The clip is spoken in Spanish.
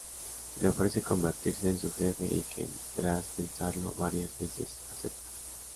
Le ofrecen convertirse en su jefe y Ken, tras pensarlo varias veces, acepta.